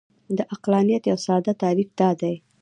د عقلانیت یو ساده تعریف دا دی.